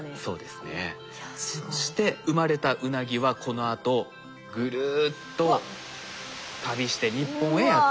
そして生まれたウナギはこのあとぐるっと旅して日本へやって来ると。